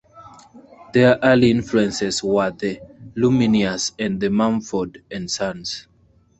Their early influences were The Lumineers and Mumford and Sons.